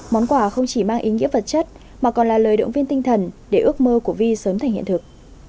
món quà không chỉ mang ý nghĩa vật chất mà còn là lời động viên tinh thần để ước mơ của vi sớm thành hiện thực